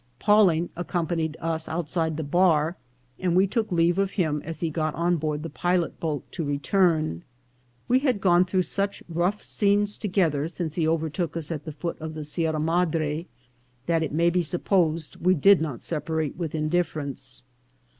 Pawling accompanied us out side the bar, and we took leave of him as he got on board the pilot boat to return. We had gone through such rough scenes together since he overtook us at the foot of the Sierra Madre, that it may be supposed we did not separate with indifference.